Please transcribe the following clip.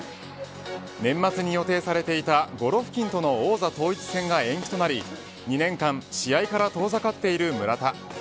年末に予定されていたゴロフキンとの王座統一戦が延期となり２年間試合から遠ざかっている村田。